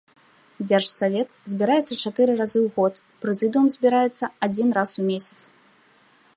Дзяржсавет збіраецца чатыры раза ў год, прэзідыум збіраецца адзін раз у месяц.